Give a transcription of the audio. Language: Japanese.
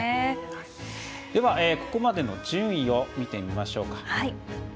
では、ここまでの順位を見てみましょう。